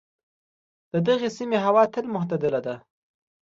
د دغې سیمې هوا تل معتدله ده.